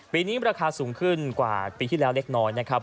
ปีนี้ราคาสูงขึ้นกว่าปีที่แล้วเล็กน้อยนะครับ